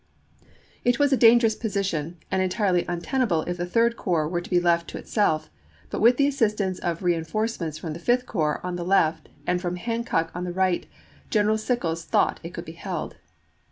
It was a dangerous position, and entirely untenable if the Third Corps were to be left to itself, but with the assistance of reinforcements from the Fifth Corps on the left and from Hancock on the right General Sickles thought it could be held.